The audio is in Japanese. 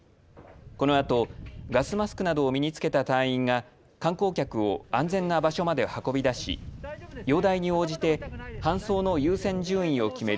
このあとガスマスクなどを身に着けた隊員が観光客を安全な場所まで運び出し容体に応じて搬送の優先順位を決める